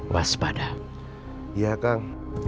waspada iya kang